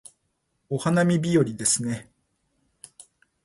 お花見日和ですね